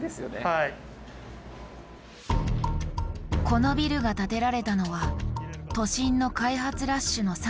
このビルが建てられたのは都心の開発ラッシュのさなか。